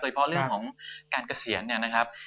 ตัวเฉพาะเรื่องของการกระเสียนนะครับ